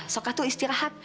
sok itu istirahat